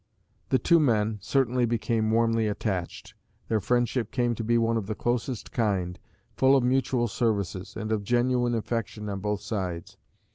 The two men, certainly, became warmly attached. Their friendship came to be one of the closest kind, full of mutual services, and of genuine affection on both sides.